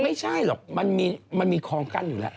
ไม่ใช่หรอกมันมีคลองกั้นอยู่แล้ว